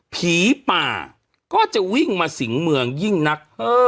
ผีป่าก็จะวิ่งมาสิงเมืองยิ่งนัก